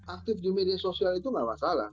aktif di media sosial itu nggak masalah